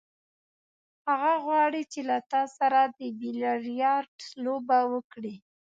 هغه غواړي چې له تا سره د بیلیارډ لوبه وکړي.